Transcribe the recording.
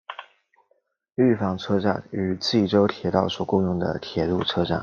御坊车站与纪州铁道所共用的铁路车站。